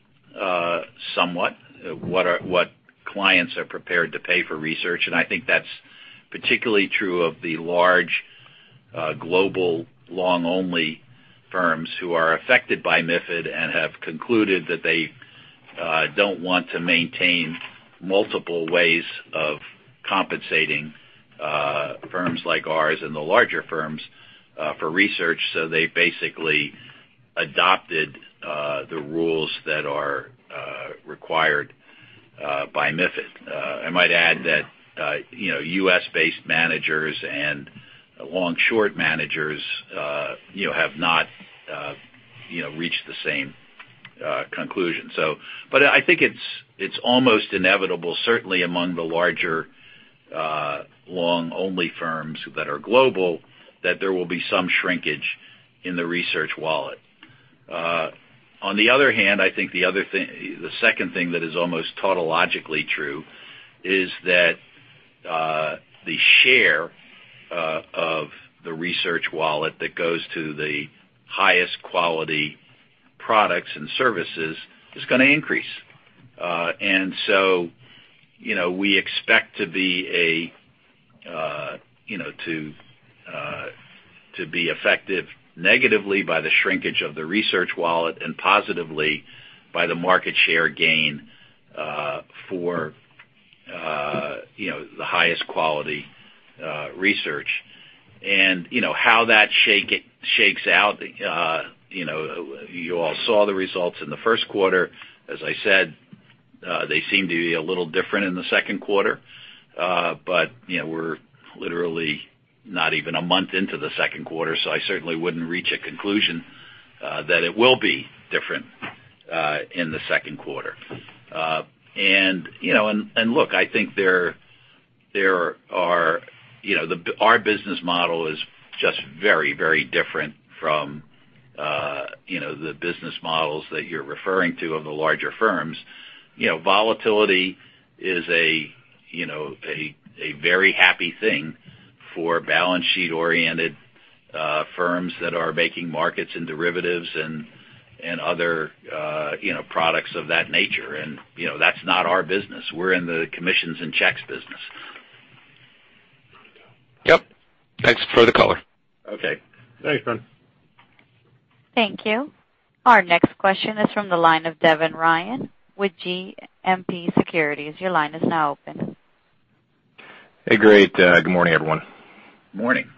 somewhat, what clients are prepared to pay for research, and I think that's particularly true of the large global long-only firms who are affected by MiFID and have concluded that they don't want to maintain multiple ways of compensating firms like ours and the larger firms for research. They basically adopted the rules that are required by MiFID. I might add that U.S.-based managers and long-short managers have not reached the same conclusion. I think it's almost inevitable, certainly among the larger long-only firms that are global, that there will be some shrinkage in the research wallet. On the other hand, I think the second thing that is almost tautologically true is that the share of the research wallet that goes to the highest quality products and services is going to increase. We expect to be affected negatively by the shrinkage of the research wallet and positively by the market share gain for the highest quality research. How that shakes out, you all saw the results in the first quarter. As I said, they seem to be a little different in the second quarter. We're literally not even a month into the second quarter, so I certainly wouldn't reach a conclusion that it will be different in the second quarter. Look, I think our business model is just very different from the business models that you're referring to of the larger firms. Volatility is a very happy thing for balance sheet-oriented firms that are making markets in derivatives and other products of that nature. That's not our business. We're in the commissions and checks business. Yep. Thanks for the color. Okay. Thanks, Brennan. Thank you. Our next question is from the line of Devin Ryan with JMP Securities. Your line is now open. Hey, great. Good morning, everyone. Morning.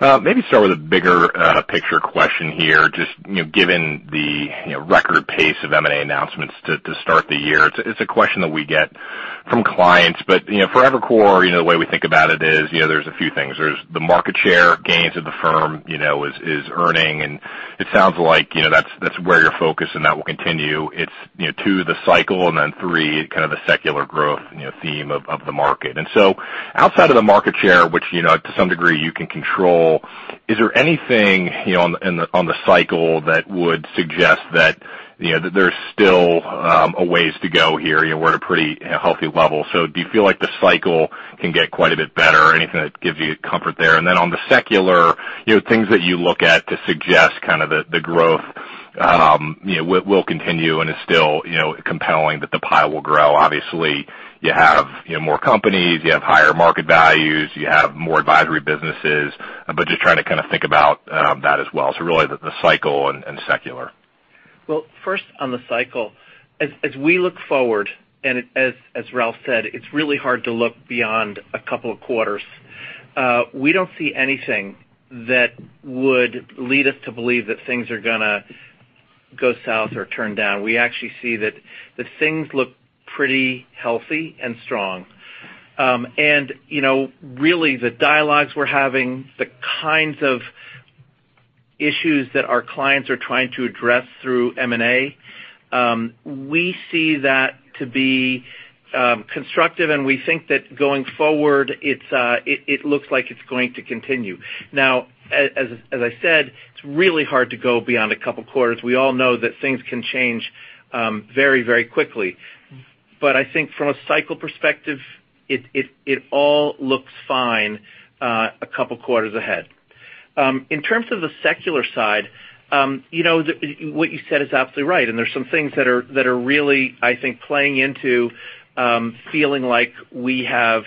Maybe start with a bigger picture question here. Just given the record pace of M&A announcements to start the year, it's a question that we get from clients. For Evercore, the way we think about it is, there's a few things. There's the market share gains that the firm is earning, and it sounds like that's where your focus and that will continue. It's two, the cycle, and then three, kind of the secular growth theme of the market. Outside of the market share, which to some degree you can control, is there anything on the cycle that would suggest that there's still a ways to go here? We're at a pretty healthy level. Do you feel like the cycle can get quite a bit better? Anything that gives you comfort there. On the secular, things that you look at to suggest kind of the growth will continue and is still compelling that the pie will grow. Obviously, you have more companies, you have higher market values, you have more advisory businesses, just trying to kind of think about that as well. Really the cycle and secular. Well, first on the cycle, as we look forward, as Ralph said, it's really hard to look beyond a couple of quarters. We don't see anything that would lead us to believe that things are going to go south or turn down. We actually see that things look pretty healthy and strong. Really the dialogues we're having, the kinds of issues that our clients are trying to address through M&A, we see that to be constructive, and we think that going forward, it looks like it's going to continue. Now, as I said, it's really hard to go beyond a couple quarters. We all know that things can change very quickly. I think from a cycle perspective, it all looks fine a couple quarters ahead. In terms of the secular side, what you said is absolutely right, there's some things that are really, I think, playing into feeling like we have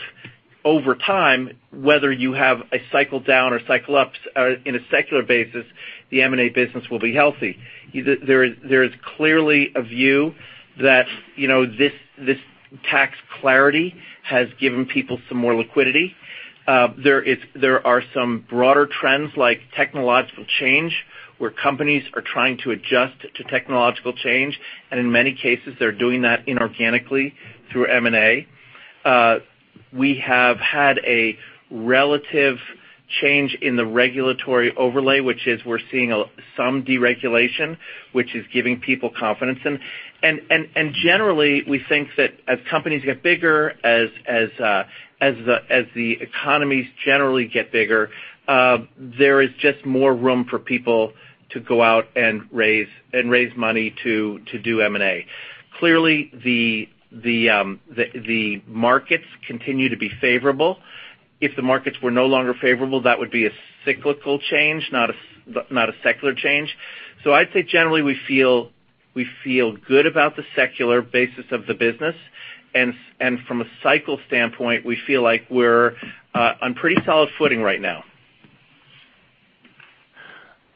over time, whether you have a cycle down or cycle up in a secular basis, the M&A business will be healthy. There is clearly a view that this tax clarity has given people some more liquidity. There are some broader trends like technological change, where companies are trying to adjust to technological change, and in many cases, they're doing that inorganically through M&A. We have had a relative change in the regulatory overlay, which is we're seeing some deregulation, which is giving people confidence. Generally, we think that as companies get bigger, as the economies generally get bigger, there is just more room for people to go out and raise money to do M&A. Clearly, the markets continue to be favorable. If the markets were no longer favorable, that would be a cyclical change, not a secular change. I'd say generally, we feel good about the secular basis of the business, and from a cycle standpoint, we feel like we're on pretty solid footing right now.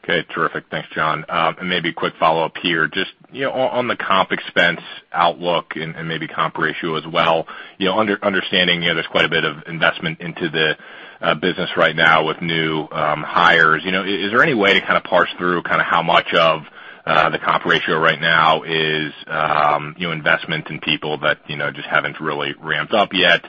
Okay. Terrific. Thanks, John. Maybe a quick follow-up here, just on the comp expense outlook and maybe comp ratio as well. Understanding there's quite a bit of investment into the business right now with new hires. Is there any way to kind of parse through how much of the comp ratio right now is investment in people that just haven't really ramped up yet?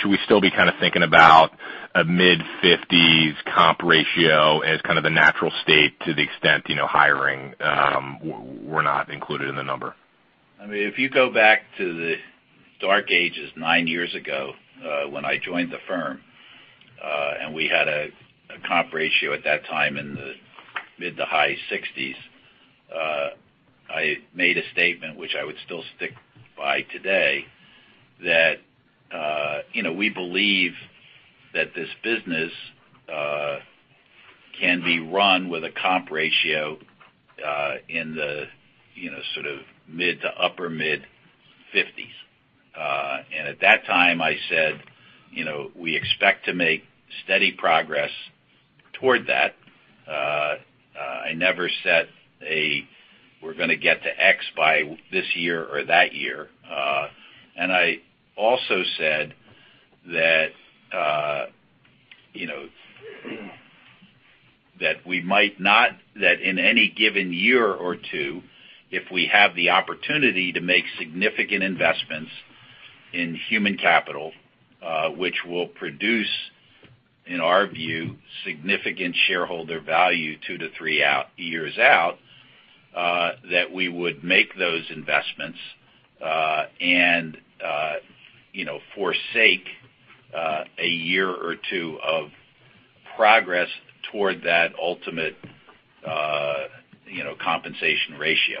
Should we still be kind of thinking about a mid-fifties comp ratio as kind of the natural state to the extent hiring were not included in the number? If you go back to the dark ages nine years ago when I joined the firm, we had a comp ratio at that time in the mid to high sixties, I made a statement which I would still stick by today, that we believe that this business can be run with a comp ratio in the sort of mid to upper mid-fifties. At that time I said we expect to make steady progress toward that. I never set a, we're going to get to X by this year or that year. I also said that in any given year or two, if we have the opportunity to make significant investments in human capital which will produce, in our view, significant shareholder value two to three years out, that we would make those investments, and forsake a year or two of progress toward that ultimate compensation ratio.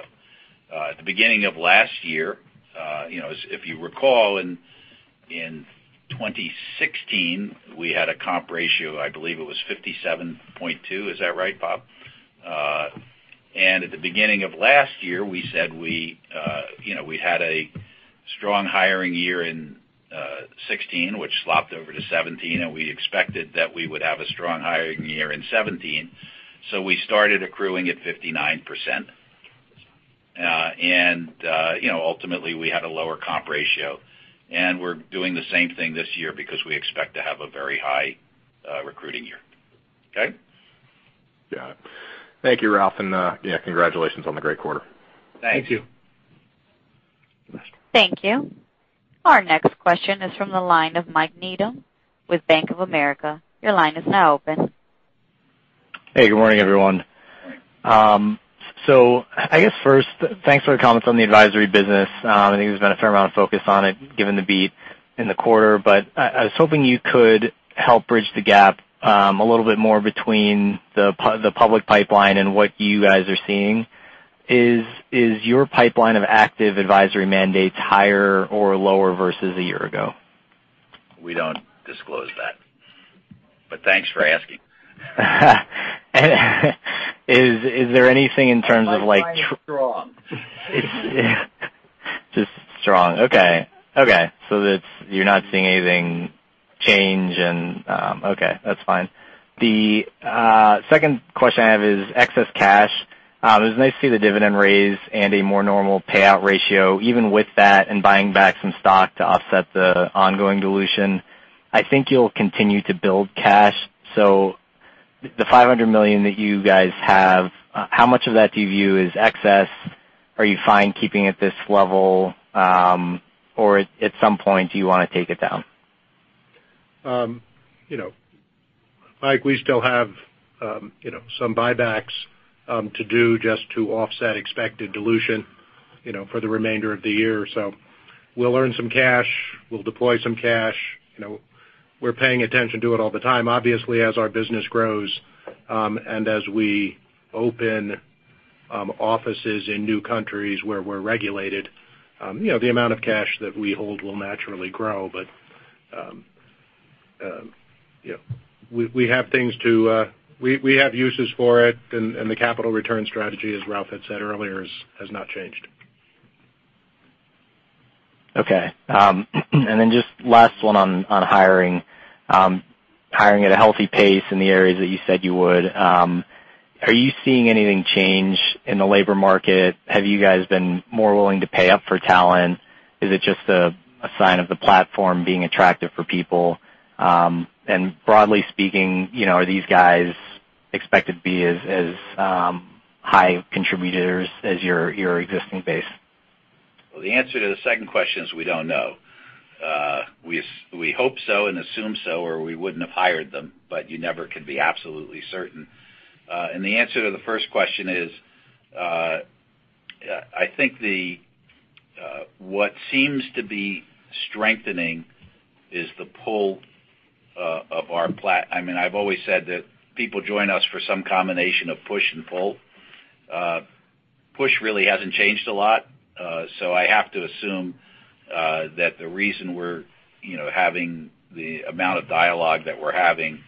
At the beginning of last year, if you recall, in 2016, we had a comp ratio, I believe it was 57.2, is that right, Bob? At the beginning of last year, we said we had a strong hiring year in 2016, which slopped over to 2017, and we expected that we would have a strong hiring year in 2017. We started accruing at 59%. Ultimately we had a lower comp ratio. We're doing the same thing this year because we expect to have a very high recruiting year. Okay? Got it. Thank you, Ralph. Yeah, congratulations on the great quarter. Thanks. Thank you. Thank you. Our next question is from the line of Mike Needham with Bank of America. Your line is now open. Good morning, everyone. I guess first, thanks for the comments on the advisory business. I think there's been a fair amount of focus on it given the beat in the quarter. I was hoping you could help bridge the gap a little bit more between the public pipeline and what you guys are seeing. Is your pipeline of active advisory mandates higher or lower versus a year ago? We don't disclose that. Thanks for asking. Is there anything in terms of like- My pipeline is strong. Just strong. Okay. You're not seeing anything change. Okay, that's fine. The second question I have is excess cash. It was nice to see the dividend raise and a more normal payout ratio. Even with that and buying back some stock to offset the ongoing dilution, I think you'll continue to build cash. The $500 million that you guys have, how much of that do you view as excess? Are you fine keeping it this level? Or at some point, do you want to take it down? Mike, we still have some buybacks to do just to offset expected dilution for the remainder of the year. We'll earn some cash, we'll deploy some cash. We're paying attention to it all the time. Obviously, as our business grows, and as we open offices in new countries where we're regulated, the amount of cash that we hold will naturally grow. We have uses for it, and the capital return strategy, as Ralph had said earlier, has not changed. Okay. Just last one on hiring. Hiring at a healthy pace in the areas that you said you would. Are you seeing anything change in the labor market? Have you guys been more willing to pay up for talent? Is it just a sign of the platform being attractive for people? Broadly speaking, are these guys expected to be as high contributors as your existing base? The answer to the second question is we don't know. We hope so and assume so, or we wouldn't have hired them, but you never can be absolutely certain. The answer to the first question is, I think what seems to be strengthening is the pull of our platform. I've always said that people join us for some combination of push and pull. Push really hasn't changed a lot. I have to assume that the reason we're having the amount of dialogue that we're having,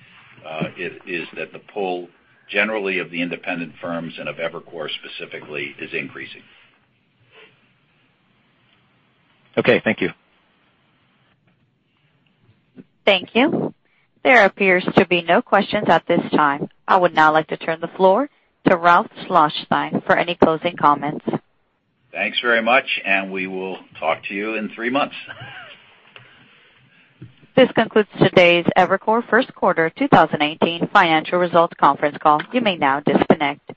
is that the pull generally of the independent firms and of Evercore specifically is increasing. Okay. Thank you. Thank you. There appears to be no questions at this time. I would now like to turn the floor to Ralph Schlosstein for any closing comments. Thanks very much, and we will talk to you in three months. This concludes today's Evercore first quarter 2018 financial results conference call. You may now disconnect.